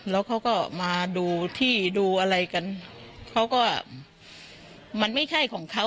แล้วเขาก็มาดูที่ดูอะไรกันเขาก็มันไม่ใช่ของเขา